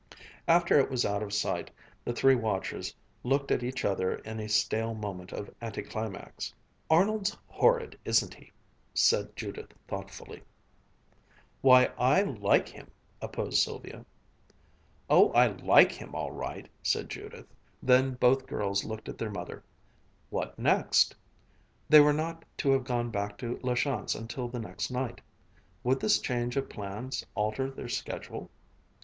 After it was out of sight the three watchers looked at each other in a stale moment of anticlimax. "Arnold's horrid, isn't he?" said Judith thoughtfully. "Why, I like him!" opposed Sylvia. "Oh, I like him, all right," said Judith. Then both girls looked at their mother. What next ...? They were not to have gone back to La Chance until the next night. Would this change of plans alter their schedule?